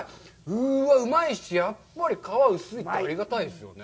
うん、うまいし、やっぱり皮薄いってありがたいですね。